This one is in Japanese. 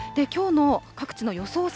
きょうの各地の予想